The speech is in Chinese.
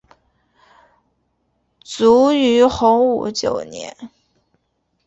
卒于洪武九年。